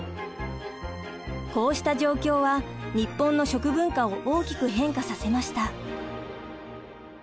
こうした状況は日本の食文化を大きく変化させました。